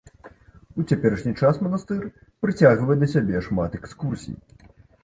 У цяперашні час манастыр прыцягвае да сябе шмат экскурсій.